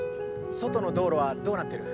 外の道路はどうなっている？